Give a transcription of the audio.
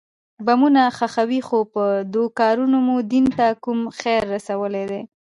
بمونه ښخوئ خو په دو کارونو مو دين ته کوم خير رسېدلى.